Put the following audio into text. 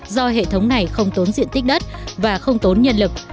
do hệ thống này không tốn diện tích đất và không tốn nhân lực